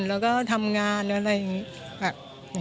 แล้วก็ทำงานอะไรอย่างนี้